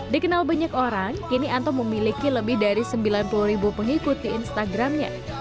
dikenal banyak orang kini anto memiliki lebih dari sembilan puluh ribu pengikut di instagramnya